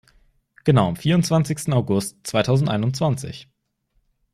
Genau am vierundzwanzigsten August zweitausendeinundzwanzig.